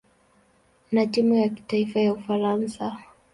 na timu ya kitaifa ya Ufaransa.